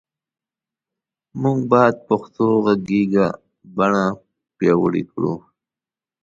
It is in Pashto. مونږ باد پښتو غږیزه بڼه پیاوړی کړو